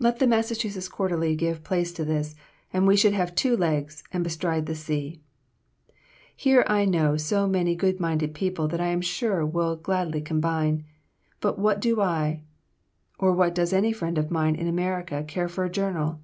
Let the 'Massachusetts Quarterly' give place to this, and we should have two legs, and bestride the sea. Here I know so many good minded people that I am sure will gladly combine. But what do I, or does any friend of mine in America care for a journal?